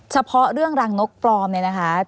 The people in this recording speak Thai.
เฉพาะเรื่องรังนกปลอมเนี่ยนะคะ